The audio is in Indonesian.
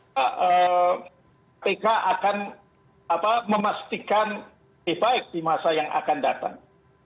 kpk akan memastikan lebih baik di masa yang akan datang